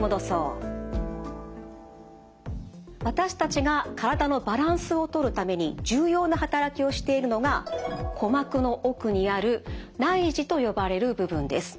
私たちが体のバランスをとるために重要な働きをしているのが鼓膜の奥にある内耳と呼ばれる部分です。